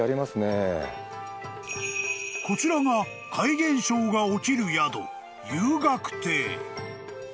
［こちらが怪現象が起きる宿］